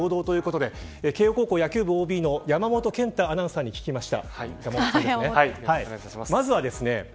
こちら文武両道ということで慶応高校野球部ＯＢの山本賢太アナウンサーに聞きました。